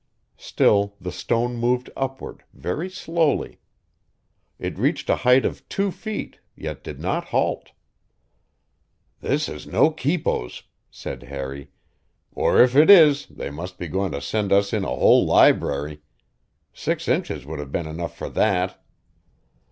Still the stone moved upward, very slowly. It reached a height of two feet, yet did not halt. "This is no quipos" said Harry, "or if it is, they must be going to send us in a whole library. Six inches would have been enough for that."